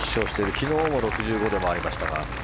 昨日も６５で回りましたが。